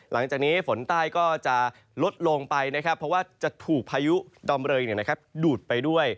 หลังจากนี้ฝนใต้ก็จะลดลงไปนะครับเพราะว่าจะถูกพายุดอมเริงดูดไปด้วย